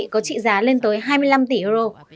có trị giá lên tới hai mươi năm tỷ euro